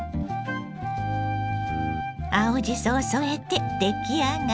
青じそを添えて出来上がり。